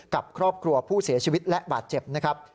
กับครอบครัวผู้เสียชีวิตและบาดเจ็บนะครับ